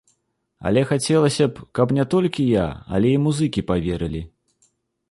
Але хацелася б, каб не толькі я, але і музыкі паверылі.